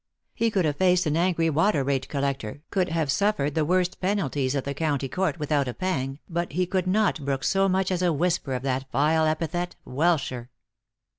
He could have faced an angry water rate collector, could have suffered the worst penalties of the county court without _ a pang, but he could not brook so much as a whisper of that vile epithet " welsher."